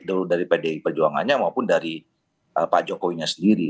dari pdi perjuangannya maupun dari pak jokowinya sendiri